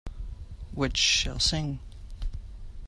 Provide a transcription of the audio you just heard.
Which shall sing?